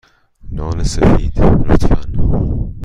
نان سفید، لطفا.